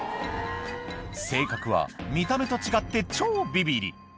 性格は見た目と違って超びびり。